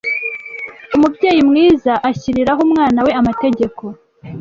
Umubyeyi mwiza ashyiriraho umwana we amategeko